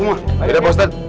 eh mari a lewater